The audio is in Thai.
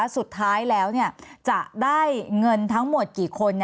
สุดท้ายแล้วจะได้เงินทั้งหมดกี่คน